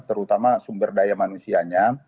terutama sumber daya manusianya